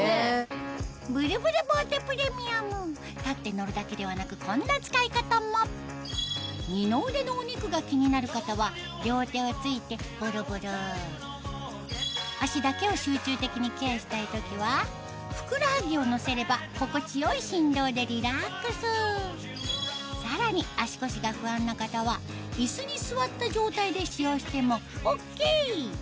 ブルブルボーテプレミアム立って乗るだけではなくこんな使い方も二の腕のお肉が気になる方は両手をついてブルブル脚だけを集中的にケアしたい時はふくらはぎを乗せれば心地よい振動でリラックスさらに足腰が不安な方は椅子に座った状態で使用してもＯＫ！